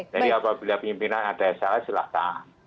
jadi apabila pimpinan ada yang salah silahkan